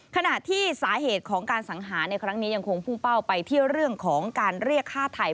ขณะที่สาเหตุของการสังหารในครั้งนี้ยังคงพุ่งเป้าไปที่เรื่องของการเรียกฆ่าไทย